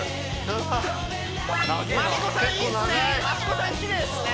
うわ益子さんいいっすね